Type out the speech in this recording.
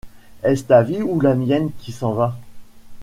Est-ce ta vie ou la mienne Qui s’en va ?